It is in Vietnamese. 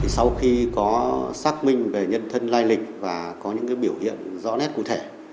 sau khi có xác minh về nhân thân lai lịch và có những biểu hiện rõ nét cụ thể